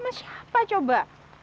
tiga hari ini